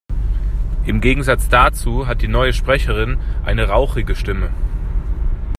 Im Gegensatz dazu hat die neue Sprecherin eine rauchige Stimme.